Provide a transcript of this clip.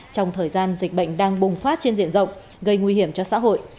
trong thời gian dịch bệnh đang bùng phát trên diện rộng gây nguy hiểm cho xã hội